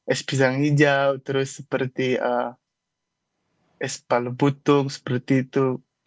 es pisang hijau terus seperti es palu butung seperti itu